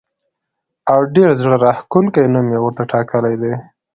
او ډېر زړه راښکونکی نوم یې ورته ټاکلی دی.